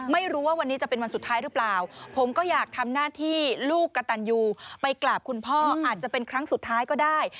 ไม่รู้ว่าวันนี้จะเป็นวันสุดท้ายหรือเปล่าผมก็อยากทำหน้าที่ลูกกระตันยูไปกราบคุณพ่ออาจจะเป็นครั้งสุดท้ายก็ได้